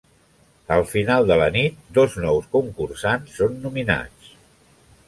Al final de la nit dos nous concursants són nominats.